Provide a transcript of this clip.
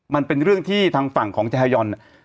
มันเป็นเรื่องที่ทางฝั่งของเจฮายอน